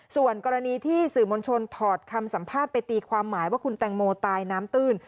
ส่วนกรณีที่สื่อมวลชนถอดคำสัมภาษณ์ไปตีความหมายว่าคุณแตงโมตายน้ำตื้น